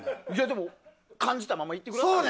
でも、感じたままいってくださいよ。